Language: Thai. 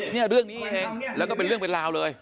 เนี่ยเรื่องนี้เองแล้วก็เป็นเรื่องเป็นราวเลย